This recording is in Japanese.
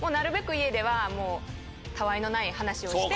家ではたわいのない話をして。